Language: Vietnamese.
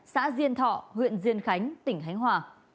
xã diên thọ huyện diên khánh tỉnh khánh hòa